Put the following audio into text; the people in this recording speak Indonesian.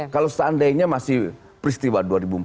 kalau seandainya masih peristiwa dua ribu empat belas